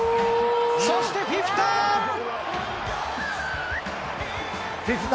そしてフィフィタ。